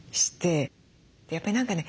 やっぱり何かね